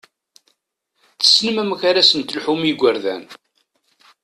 Tessnem amek ad sen-telḥum i yigurdan!